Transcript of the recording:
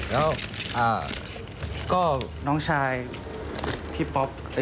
แล้วก็น้องชายพี่ป๊อป